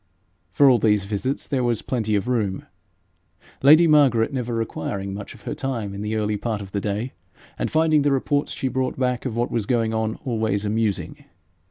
For all these visits there was plenty of room, lady Margaret never requiring much of her time in the early part of the day, and finding the reports she brought of what was going on always amusing.